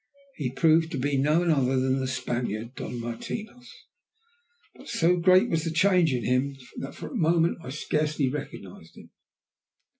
He proved to be none other than the Spaniard, Don Martinos, but so great was the change in him that for a moment I scarcely recognized him.